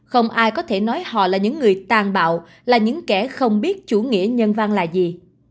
không ai có thể nói họ là những người tàn bạo là những kẻ không biết chủ nghĩa nhân văn là gì